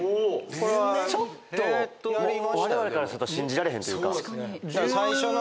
ちょっとわれわれからすると信じられへんというか。